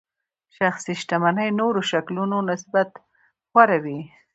شخصي شتمنۍ نورو شکلونو نسبت غوره وي.